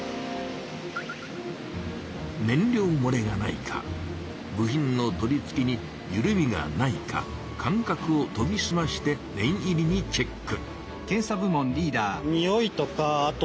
燃料もれがないか部品の取り付けにゆるみがないか感覚をとぎすまして念入りにチェック。